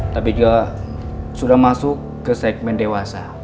tapi juga sudah masuk ke segmen dewasa